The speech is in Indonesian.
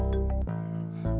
take care sayang